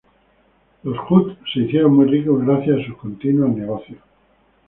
Los hutt se hicieron muy ricos gracias a sus continuos negocios.